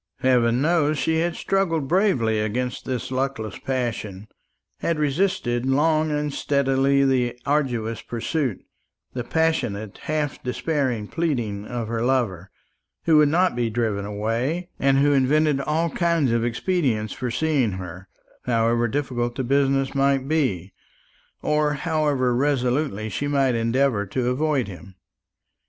Heaven knows she had struggled bravely against this luckless passion, had resisted long and steadily the assiduous pursuit, the passionate half despairing pleading, of her lover, who would not be driven away, and who invented all kinds of expedients for seeing her, however difficult the business might be, or however resolutely she might endeavour to avoid him.